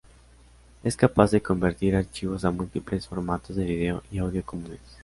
Es capaz de convertir archivos a múltiples formatos de vídeo y audio comunes.